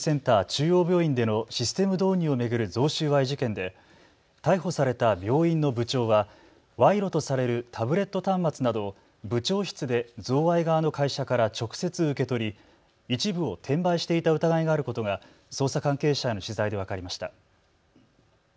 中央病院でのシステム導入を巡る贈収賄事件で逮捕された病院の部長は賄賂とされるタブレット端末などを部長室で贈賄側の会社から直接受け取り一部を転売していた疑いがあることが捜査関係者への取材で分かりました。